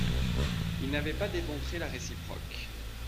Il n'avait pas démontré la réciproque.